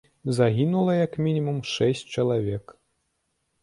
Загінула як мінімум шэсць чалавек.